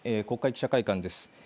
国会記者会館です。